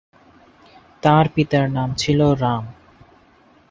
তাঁর পিতার নাম ছিল রাম।